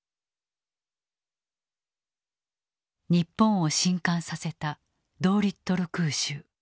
日本を震撼させたドーリットル空襲。